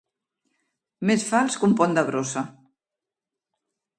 Més fals que un pont de brossa.